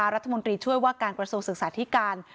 รัฐมนตรีช่วยว่าการกระทรวงศึกษาธิการ